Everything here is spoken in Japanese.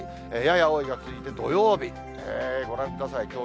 やや多いが続いて土曜日、ご覧ください。